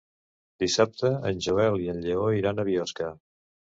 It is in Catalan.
Dissabte en Joel i en Lleó iran a Biosca.